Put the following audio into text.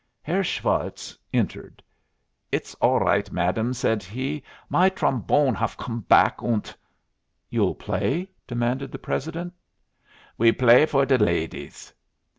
Herr Schwartz entered. "It's all right, madam," said he. "My trombone haf come back, und " "You'll play?" demanded the president. "We blay for de ladies."